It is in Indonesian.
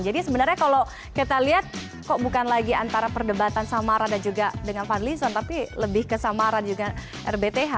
jadi sebenarnya kalau kita lihat kok bukan lagi antara perdebatan samara dan juga dengan fadli zon tapi lebih ke samara juga rbth